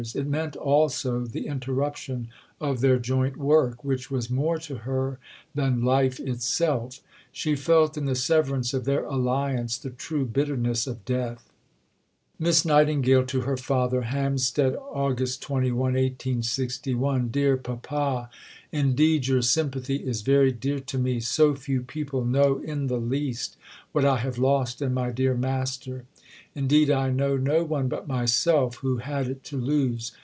It meant also the interruption of their joint work, which was more to her than life itself. She felt in the severance of their alliance the true bitterness of death: (Miss Nightingale to her Father.) HAMPSTEAD, Aug. 21 . DEAR PAPA Indeed your sympathy is very dear to me. So few people know in the least what I have lost in my dear master. Indeed I know no one but myself who had it to lose.